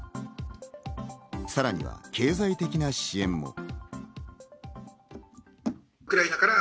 さらには経済的な支援も。